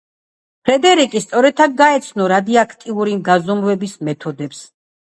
ფრედერიკი სწორედ აქ გაეცნო რადიოაქტიური გაზომვების მეთოდებს.